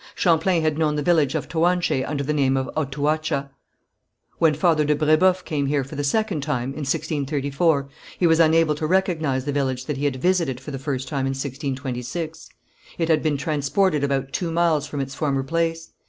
Champlain had known the village of Toanché under the name of Otouacha. When Father de Brébeuf came here for the second time, in 1634, he was unable to recognize the village that he had visited for the first time in 1626. It had been transported about two miles from its former place.